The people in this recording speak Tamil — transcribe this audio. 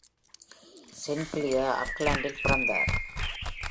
Sinclair ஆக்லாந்தில் பிறந்தார்.